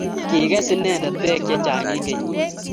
Kiges inendet bek chechang' eng kenyit ni.